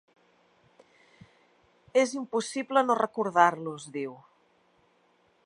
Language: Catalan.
“És impossible no recordar-los”, diu.